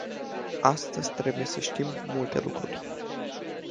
Astăzi trebuie să știm multe lucruri.